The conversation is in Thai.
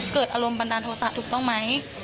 เกิดอารมณ์บันดาลโทษะถูกต้องไหม